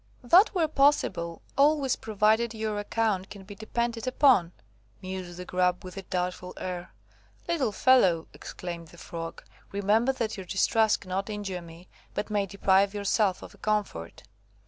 "That were possible, always provided your account can be depended upon," mused the Grub with a doubtful air. "Little fellow," exclaimed the Frog, "remember that your distrust cannot injure me, but may deprive yourself of a comfort."